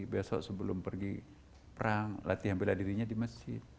besok sebelum pergi perang latihan bela dirinya di masjid